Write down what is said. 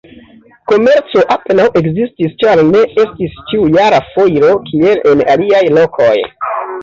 Komerco apenaŭ ekzistis, ĉar ne estis ĉiujara foiro, kiel en aliaj lokoj.